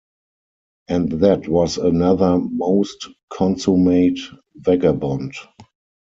And that was another most consummate vagabond!